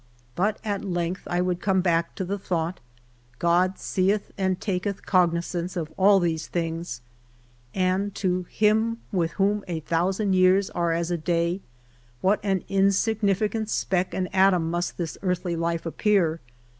But at length I would come back to the thought, God seeth and takeih cognizance of all these things, and to " him with whom a thousand years are as a day," what an insignificant speck and atom must this earthly life appear!